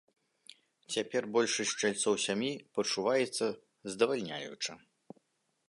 Цяпер большасць чальцоў сям'і пачуваецца здавальняюча.